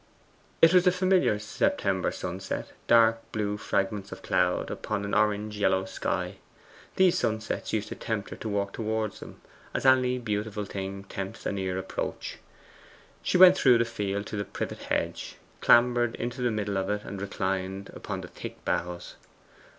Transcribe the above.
It was a familiar September sunset, dark blue fragments of cloud upon an orange yellow sky. These sunsets used to tempt her to walk towards them, as any beautiful thing tempts a near approach. She went through the field to the privet hedge, clambered into the middle of it, and reclined upon the thick boughs.